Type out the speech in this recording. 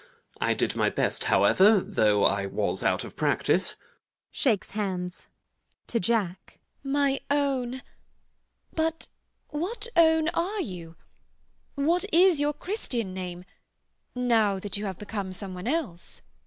I did my best, however, though I was out of practice. [Shakes hands.] GWENDOLEN. [To Jack.] My own! But what own are you? What is your Christian name, now that you have become some one else? JACK.